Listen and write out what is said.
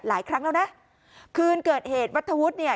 หลายครั้งแล้วนะคืนเกิดเหตุวัฒวุฒิเนี่ย